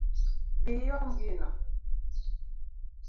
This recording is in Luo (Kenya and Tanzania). Dhi iom gino